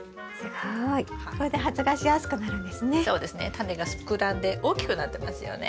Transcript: タネが膨らんで大きくなってますよね。